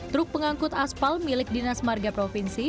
truk pengangkut aspal milik dinas marga provinsi